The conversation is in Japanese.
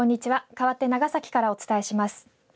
かわって長崎からお伝えします。